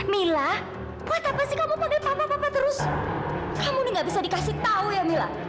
mila buat apa sih kamu panggil papa papa terus kamu ini nggak bisa dikasih tahu ya mila